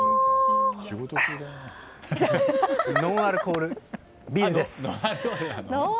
ノンアルコールビールです。